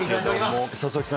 佐々木さん